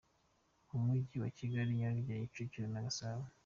Mu mujyi wa Kigali: Nyarugenge, Kicukiro na Gasabo .